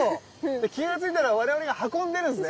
じゃ気が付いたら我々が運んでるんですね？